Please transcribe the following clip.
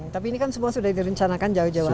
tapi ini kan semua sudah direncanakan jauh jauh hari